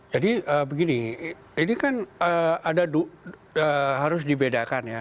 jadi begini ini kan harus dibedakan ya